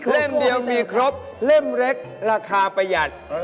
เล่มเดียวมีครบเล่มเล็กราคาประหยัด